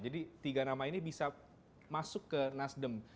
jadi tiga nama ini bisa masuk ke nasdem